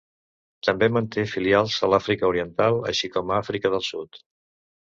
També manté filials a Àfrica Oriental, així com a Àfrica del Sud.